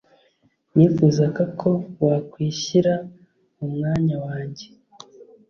nifuzaga ko wakwishyira mu mwanya wanjye